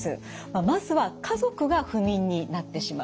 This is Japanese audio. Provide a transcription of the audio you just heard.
まずは家族が不眠になってしまう。